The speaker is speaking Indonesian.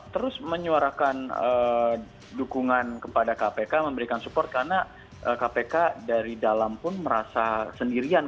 terus menyuarakan dukungan kepada kpk memberikan support karena kpk dari dalam pun merasa sendirian